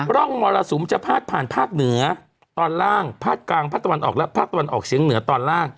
ร่องมรสุมจะพาดผ่านภาคเหนือตอนล่างภาคกลางภาคตะวันออกและภาคตะวันออกเฉียงเหนือตอนล่าง